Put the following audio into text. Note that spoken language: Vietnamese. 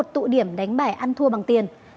đó là một tụ điểm đánh bài ăn thua bằng tiền